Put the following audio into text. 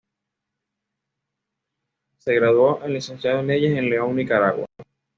Se graduó de Licenciado en leyes en León, Nicaragua.